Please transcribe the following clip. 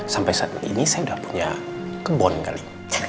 sampai saat ini saya tidak punya kebon kali